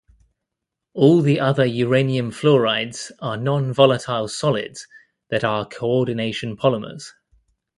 All the other uranium fluorides are nonvolatile solids that are coordination polymers.